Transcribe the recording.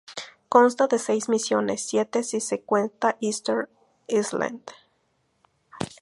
Consta de seis misiones, siete si se cuenta "Easter Island".